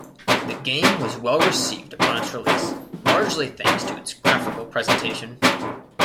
The game was well received upon its release, largely thanks to its graphical presentation.